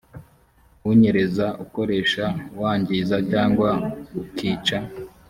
unyereza ukoresha wangiza cyangwa ukica